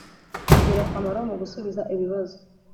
Ingirakamaro mu gusubiza ibibazo